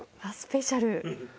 あっスペシャル。